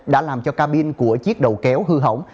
đã làm cho cabin của chiếc đầu kéo hư hỏng